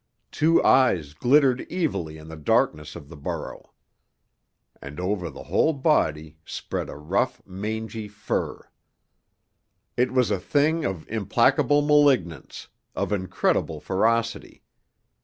Two eyes glittered evilly in the darkness of the burrow. And over the whole body spread a rough, mangy fur. It was a thing of implacable malignance, of incredible ferocity.